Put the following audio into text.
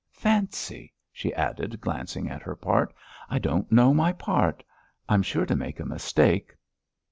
Fancy," she added, glancing at her part, "I don't know my part. I'm sure to make a mistake.